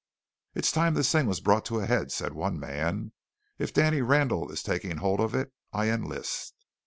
"It's time this thing was brought to a head," said one man. "If Danny Randall is taking hold of it, I enlist."